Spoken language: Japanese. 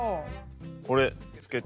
これ付けて。